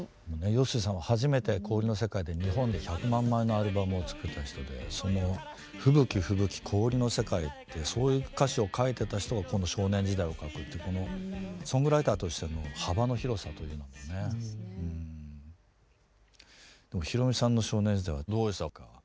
陽水さんは初めて「氷の世界」で日本で１００万枚のアルバムを作った人でその「吹雪吹雪氷の世界」ってそういう歌詞を書いてた人がこの「少年時代」を書くってこのソングライターとしての幅の広さというのもねうん。でもひろみさんの少年時代はどうでしたか？